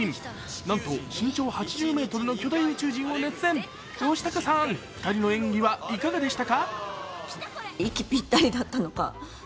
なんと身長８０ｍの巨大宇宙人を熱演吉高さん、２人の演技はいかがでしたか。